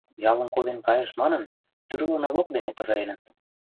Ялым коден кайышт манын, тӱрлӧ налог дене пызыреныт.